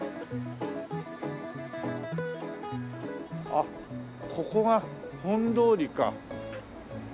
あっここが本通りか。